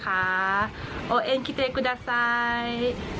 โอเคคิตรีกูไดซ่าย